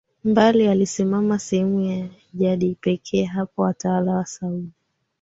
mbali alisimamia sehemu ya Najd pekee Hapo watawala wa Saudi